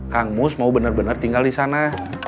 kang mus mau bener bener tinggal di sana